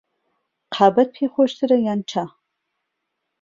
قاوەت پێ خۆشترە یان چا؟